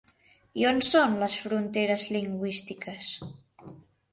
I on són les fronteres lingüístiques?